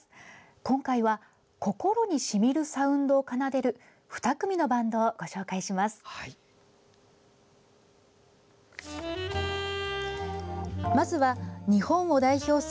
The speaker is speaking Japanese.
今回は心にしみるサウンドを奏でる２組のバンドをご紹介します。